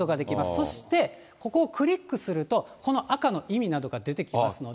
そしてここをクリックすると、この赤の意味などが出てきますので。